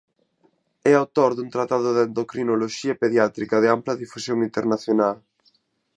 É autor dun Tratado de Endocrinoloxía Pediátrica de ampla difusión internacional.